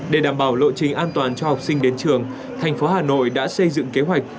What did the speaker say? để đảm bảo lộ trình an toàn cho học sinh đến trường thành phố hà nội đã xây dựng kế hoạch